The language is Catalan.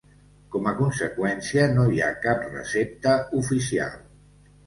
Com a conseqüència, no hi ha cap recepta "oficial".